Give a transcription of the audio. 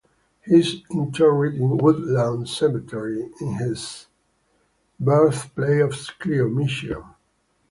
He is interred in Woodlawn Cemetery in his birthplace of Clio, Michigan.